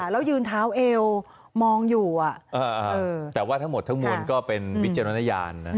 แล้วยืนเท้าเอวมองอยู่แต่ว่าทั้งหมดทั้งมวลก็เป็นวิจารณญาณ